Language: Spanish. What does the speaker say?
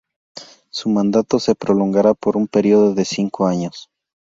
Su mandato se prolongará por un periodo de cinco años.